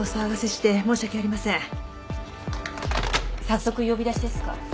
早速呼び出しですか？